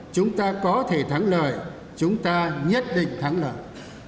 chúng ta có thể thắng lợi chúng ta nhất định thắng lợi